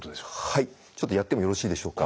はいちょっとやってもよろしいでしょうか。